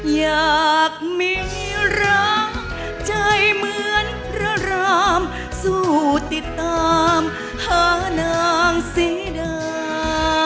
อยากมีรักใจเหมือนพระรามสู้ติดตามหานางศรีดา